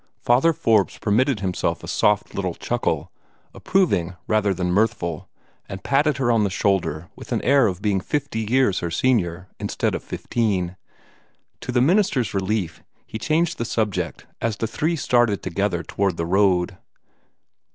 Father Forbes permitted himself a soft little chuckle, approving rather than mirthful, and patted her on the shoulder with the air of being fifty years her senior instead of fifteen. To the minister's relief, he changed the subject as the three started together toward the road.